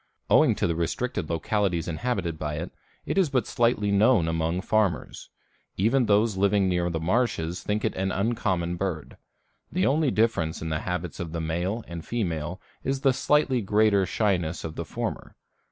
Owing to the restricted localities inhabited by it, it is but slightly known among farmers; even those living near the marshes think it an uncommon bird. The only difference in the habits of the male and female is the slightly greater shyness of the former.